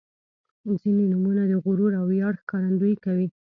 • ځینې نومونه د غرور او ویاړ ښکارندويي کوي.